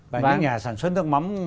và những nhà sản xuất nước mắm